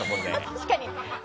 確かに。